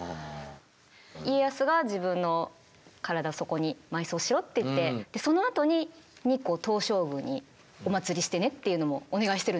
家康が自分の体をそこに埋葬しろって言ってそのあとに日光東照宮にお祀りしてねっていうのもお願いしてるんですよね。